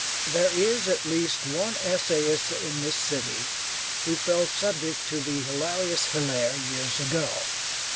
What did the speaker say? There is at least one essayist in this city who fell subject to the hilarious Hilaire years ago.